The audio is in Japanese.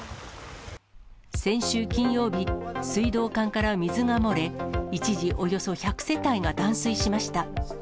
先週金曜日、水道管から水が漏れ、一時、およそ１００世帯が断水しました。